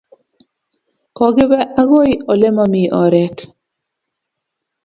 Kokipe akoy ole mami oret